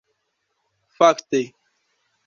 fakte